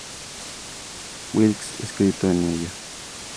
Wilkes' escrito en ella.